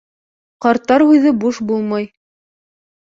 Ҡарттар һүҙе буш булмай.